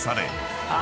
あ！